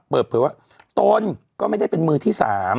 เปิดเผยว่าตนก็ไม่ได้เป็นมือที่๓